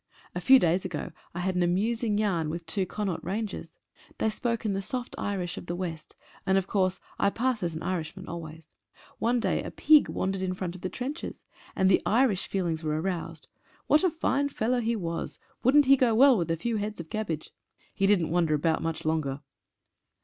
A few days ago I had an amusing yarn with two Connaught Rangers. They spoke in the soft Irish of the west and of course I pass as an Irishman always. One day a pig wandered in front of the trenches, and the Irish feelings were aroused — "What a fine fellow he was ! Wouldn't he go well with a few heads of cabbage." He didn't wander about much longer.